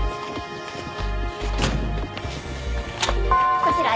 こちらへ。